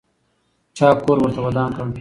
چا کور ورته ودان کړ؟